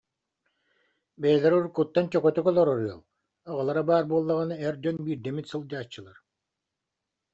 Бэйэлэрэ уруккуттан чөкөтүк олорор ыал, аҕалара баар буоллаҕына эр дьон биирдэ эмит сылдьааччылар